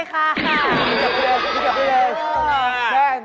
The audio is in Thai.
พี่เจ้าพี่เลยพี่เจ้าพี่เลย